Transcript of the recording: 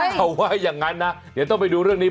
เขาว่าอย่างนั้นนะเดี๋ยวต้องไปดูเรื่องนี้